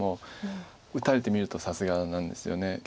打たれてみるとさすがなんですよね。